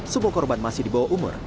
semua korban masih di bawah umur